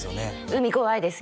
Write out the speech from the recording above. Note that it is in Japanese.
海怖いです